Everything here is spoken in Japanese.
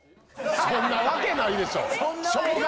そんなわけないでしょ